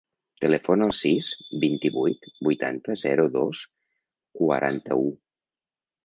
Telefona al sis, vint-i-vuit, vuitanta, zero, dos, quaranta-u.